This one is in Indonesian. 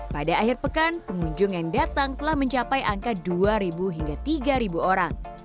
pada akhir pekan pengunjung yang datang telah mencapai angka dua hingga tiga orang